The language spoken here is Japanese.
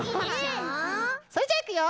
それじゃいくよ！